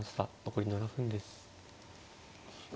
残り７分です。